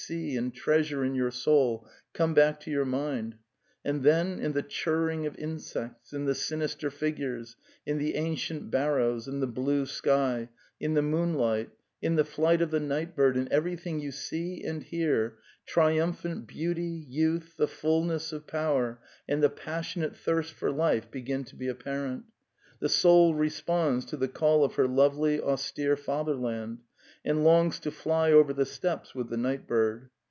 see and treasure in your soul, come back to your mind. And then in the churring of insects, in the sinister figures, in the ancient barrows, in the blue sky, in the moonlight, in the flight of the night bird, in everything you see and hear, triumphant beauty, youth, the fulness of power, and the passion ate thirst for life begin to be apparent; the soul responds to the call of her lovely austere fatherland, and longs to fly over the steppes with the nightbird.